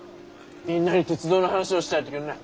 みんなに鉄道の話をしてやってくんない。